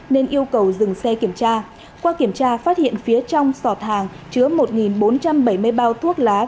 nên yêu cầu dừng xe kiểm tra qua kiểm tra phát hiện phía trong sọt hàng chứa một bốn trăm bảy mươi bao thuốc lá